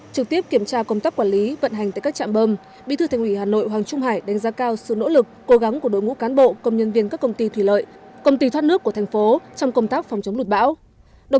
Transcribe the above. trực tiếp kiểm tra công tác quản lý vận hành tại các trạm bơm bí thư thành ủy hà nội hoàng trung hải đánh giá cao sự nỗ lực cố gắng của đội ngũ cán bộ công nhân viên các công ty thủy lợi công ty thoát nước của thành phố trong công tác phòng chống lụt bão